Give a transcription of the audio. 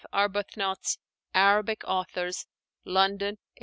Arbuthnot's 'Arabic Authors' (London, 1890).